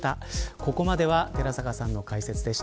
ここまでは寺坂さんの解説でした。